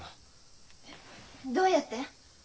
えっどうやって？